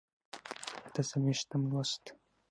اته څلوېښتم لوست